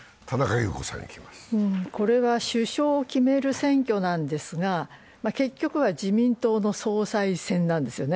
これは首相を決める選挙なんですが、結局は自民党の総裁選なんですよね。